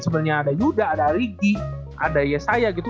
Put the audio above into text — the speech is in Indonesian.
sebenarnya ada yuda ada rigi ada yesaya gitu